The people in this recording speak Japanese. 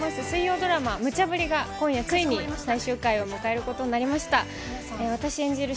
水曜ドラマ『ムチャブリ！』が今夜ついに最終回を迎えることになりました。